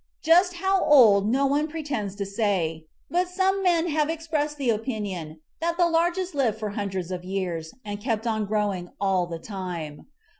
Just how old no one pretends to say, but some men have expressed the opinion that the largest lived for hundreds of years and kept on growing all the time.